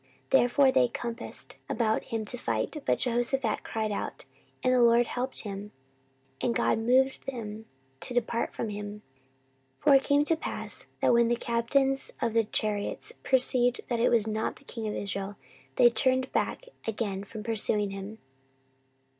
Therefore they compassed about him to fight: but Jehoshaphat cried out, and the LORD helped him; and God moved them to depart from him. 14:018:032 For it came to pass, that, when the captains of the chariots perceived that it was not the king of Israel, they turned back again from pursuing him.